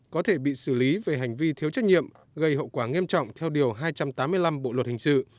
có thể bị xử lý về hành vi thiếu trách nhiệm gây hậu quả nghiêm trọng theo điều hai trăm tám mươi năm bộ luật hình sự